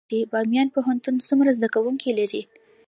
بامیان پوهنتون څومره زده کوونکي لري؟